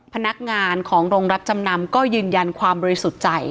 พนักงานของโรงรับจำนำก็ยืนยันความบริสุทธิ์ใจ